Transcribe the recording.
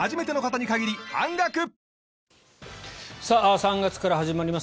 ３月から始まります